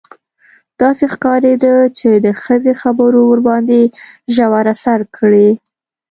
داسې ښکارېده چې د ښځې خبرو ورباندې ژور اثر کړی.